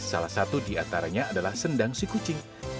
salah satu diantaranya adalah sendang sikuci